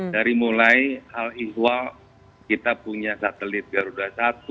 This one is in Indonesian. dari mulai al ihwal kita punya satelit garuda satu